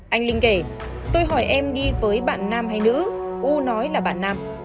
anh linh kể tôi hỏi em đi với bạn nam hay nữ u nói là bạn nam